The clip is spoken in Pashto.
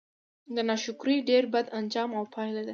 د ناشکرۍ ډير بد آنجام او پايله ده